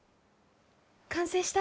完成した？